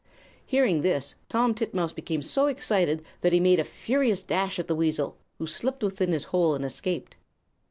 "Hearing this, Tom Titmouse became so excited that he made a furious dash at the weasel, who slipped within his hole and escaped.